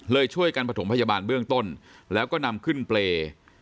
ช่วยกันประถมพยาบาลเบื้องต้นแล้วก็นำขึ้นเปรย์